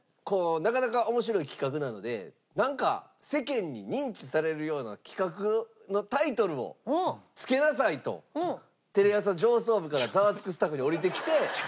こうなかなか面白い企画なのでなんか世間に認知されるような企画のタイトルを付けなさいとテレ朝上層部から『ザワつく！』スタッフに下りてきて。